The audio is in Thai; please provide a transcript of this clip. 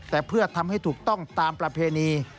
แต่เพื่อทำให้ถูกต้องตามประเพณี